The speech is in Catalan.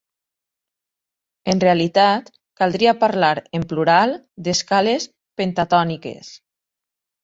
En realitat, caldria parlar en plural d'escales pentatòniques.